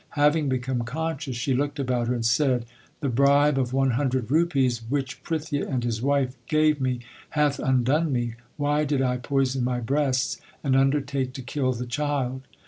Having become conscious, she looked about her and said, The bribe of one hundred rupees which Prithia and his wife gave me hath undone me. Why did I poison my breasts and undertake to kill the child